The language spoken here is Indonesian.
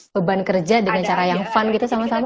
beban kerja dengan cara yang fun gitu sama sama